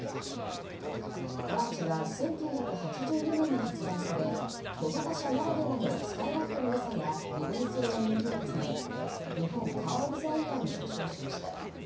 マーチは１９８２年に発売され小型車ならではの使い勝手の良さや利便性が人気を集め日本カー・オブ・ザ・イヤーも受賞しました。